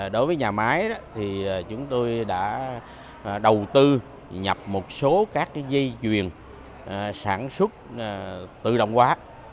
đối với nhà máy thì chúng tôi đã đầu tư nhập một số các dây chuyền sản xuất tự động quá